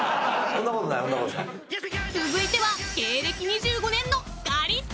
［続いては芸歴２５年の］